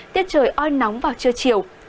tiết trời oi nóng vào trưa chiều